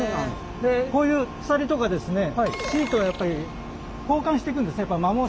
でこういう鎖とかですねシートはやっぱり交換してくんですねやっぱ摩耗するんで。